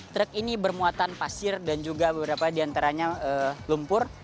truk ini bermuatan pasir dan juga beberapa diantaranya lumpur